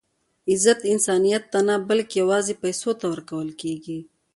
عزت انسانیت ته نه؛ بلکي یوازي پېسو ته ورکول کېږي.